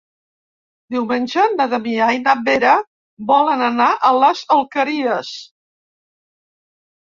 Diumenge na Damià i na Vera volen anar a les Alqueries.